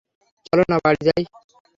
চলো না বাড়ি যাই?